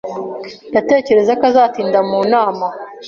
Ndatekereza ko azatinda mu nama.